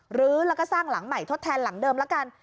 หรือแล้วก็สร้างหลังใหม่ทดแทนหลังเดิมแล้วกัน